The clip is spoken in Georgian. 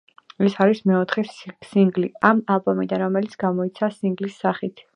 ეს არის მეოთხე სინგლი ამ ალბომიდან, რომელიც გამოიცა სინგლის სახით.